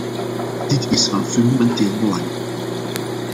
Dit is van fundamenteel belang.